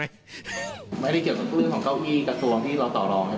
ไม่ได้เกี่ยวกับเรื่องของเก้าอี้กระทรวงที่เราต่อรองนะครับ